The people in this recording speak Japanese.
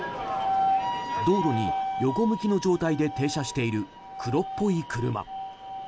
道路に横向きの状態で停車している黒っぽい車。